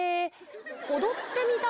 「踊ってみた」